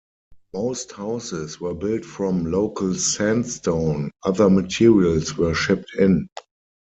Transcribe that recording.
Most houses were built from local sandstone, other materials were shipped in.